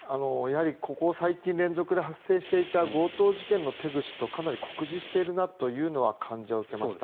ここ最近連続で発生していた強盗事件の手口とかなり酷似しているなという感じは受けました。